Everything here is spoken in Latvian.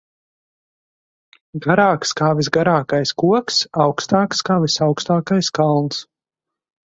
Garāks kā visgarākais koks, augstāks kā visaugstākais kalns.